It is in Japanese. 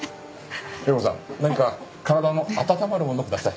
礼子さん何か体の温まるものください。